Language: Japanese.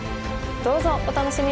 どうぞお楽しみに！